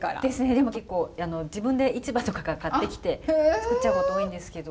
でも結構自分で市場とかから買ってきて作っちゃうこと多いんですけど。